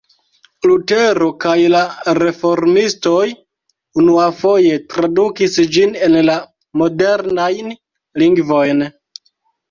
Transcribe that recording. Lutero kaj la reformistoj unuafoje tradukis ĝin en la modernajn lingvojn.